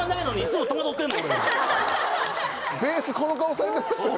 ベースこの顔されてますよ。